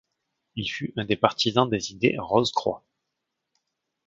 Il fut un des partisans des idées rose-croix.